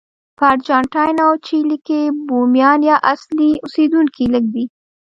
په ارجنټاین او چیلي کې بومیان یا اصلي اوسېدونکي لږ دي.